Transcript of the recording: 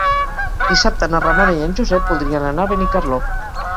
Dissabte na Ramona i en Josep voldrien anar a Benicarló.